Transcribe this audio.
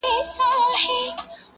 زما له زوره ابادیږي لوی ملکونه!.